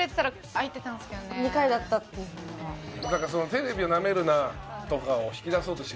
なんかその「テレビをナメるな！！」とかを引き出そうとして。